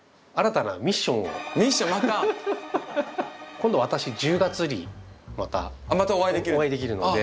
今度私１０月にまたお会いできるので。